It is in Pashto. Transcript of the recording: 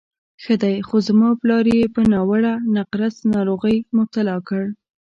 ښه دی، خو زما پلار یې په ناوړه نقرس ناروغۍ مبتلا کړ.